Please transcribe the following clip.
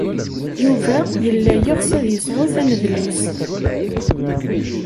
Yuba yella yeɣs ad yesɛu tanedlist.